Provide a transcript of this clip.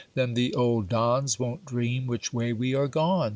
Then the old dons won't dream which way we are gone.